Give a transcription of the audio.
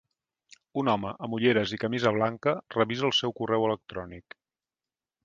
Un home amb ulleres i camisa blanca revisa el seu correu electrònic.